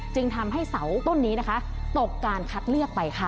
จึงทำให้เสาต้นนี้นะคะตกการคัดเลือกไปค่ะ